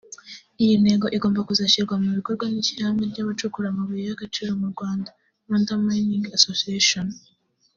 Iyi ntego igomba kuzashyirwa mu bikorwa n’Ishyirahamwe ry’Abacukura amabuye y’agaciro mu Rwanda (Rwanda Mining Associtation)